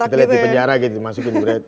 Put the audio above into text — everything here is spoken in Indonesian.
kita liat di penjara gitu masukin berat